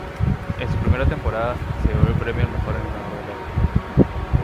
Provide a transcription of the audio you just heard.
En su primera temporada, se llevó el premio al mejor entrenador del año.